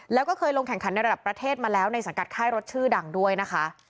แล้วก็เคยลงแข่งขันในระดับประเทศมาแล้วในสังกัดค่ายรถชื่อดังด้วยนะคะ